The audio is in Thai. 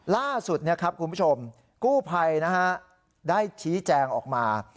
ล่าสุดคุณผู้ชมกู้ภัยได้ชี้แจงออกมา